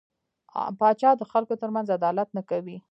پاچا د خلکو ترمنځ عدالت نه کوي .